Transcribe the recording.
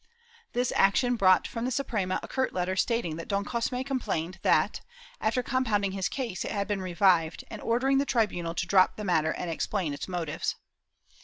This action brought from the Suprema a curt letter stating that Don Cosme complained that, after compounding his case, it had been revived, and ordering the tribunal to drop the matter and explain its motives.